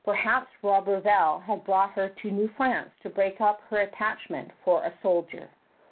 Perhaps Roberval had brought her to New France to break up her attachment for a soldier.